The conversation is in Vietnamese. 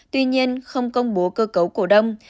tuy nhiên không công bố cơ cấu cổ đông